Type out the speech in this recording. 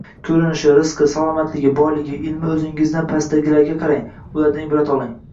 Ko‘rinishi, rizqi, salomatligi, boyligi, ilmi o‘zingizdan pastdagilarga qarang, ulardan ibrat oling.